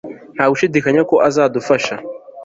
Nta gushidikanya ko azadufasha